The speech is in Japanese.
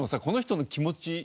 この人の気持ち。